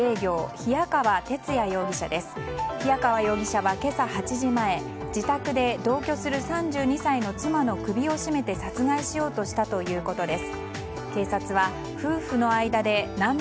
冷川容疑者は今朝８時前、自宅で同居する３２歳の妻の首を絞めて殺害しようとしたということです。